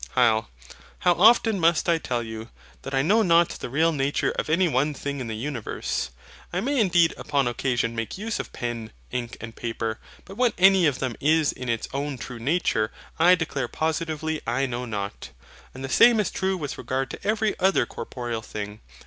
HYL. How often must I tell you, that I know not the real nature of any one thing in the universe? I may indeed upon occasion make use of pen, ink, and paper. But what any one of them is in its own true nature, I declare positively I know not. And the same is true with regard to every other corporeal thing.